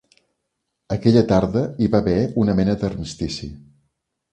Aquella tarda hi va haver una mena d'armistici